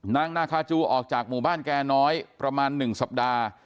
นางนาคาจูออกจากหมู่บ้านแก่น้อยประมาณ๑สัปดาห์